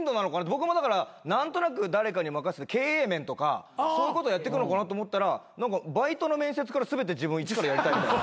僕もだから何となく誰かに任せて経営面とかそういうことやってくのかなと思ったら何かバイトの面接から全て自分一からやりたい。